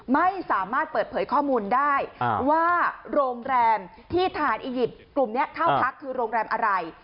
ไม่สามารถเปิดเผยข้อมูลได้ว่าโรงแรมที่ทหารอียิปต์กลุ่มนี้เข้าพักคือโรงแรมอะไร